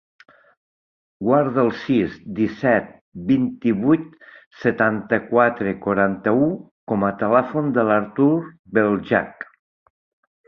Guarda el sis, disset, vint-i-vuit, setanta-quatre, quaranta-u com a telèfon de l'Artur Belhaj.